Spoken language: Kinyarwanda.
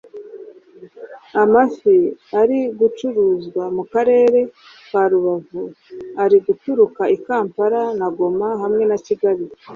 Amafi ari gucuruzwa mu karere ka Rubavu ari guturuka i Kampala na Goma hamwe na Kigali